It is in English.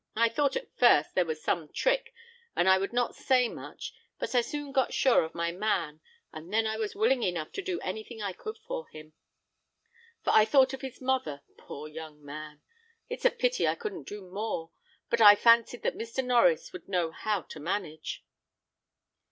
"I thought, at first, there was some trick, and I would not say much; but I soon got sure of my man, and then I was willing enough to do anything I could for him, for I thought of his mother, poor young man. It's a pity I couldn't do more; but I fancied that Mr. Norries would know how to manage."